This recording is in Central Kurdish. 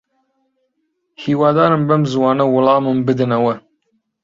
هیوادارم بەم زووانە وەڵامم بدەنەوە.